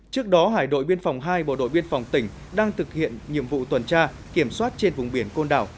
trước đó hải đội biên phòng hai bộ đội biên phòng tỉnh đang thực hiện nhiệm vụ tuần tra kiểm soát trên vùng biển côn đảo